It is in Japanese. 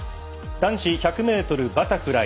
男子１００ｍバタフライ。